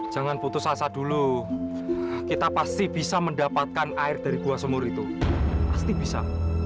jangan putus asa dulu kita pasti bisa mendapatkan air dari buah sumur itu pasti bisa